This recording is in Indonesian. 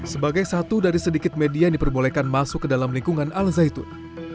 sebagai satu dari sedikit media yang diperbolehkan masuk ke dalam lingkungan al zaitun